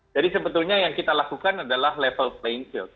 jadi sebetulnya yang kita lakukan adalah level playing field